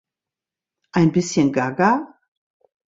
Ein bischen gaga?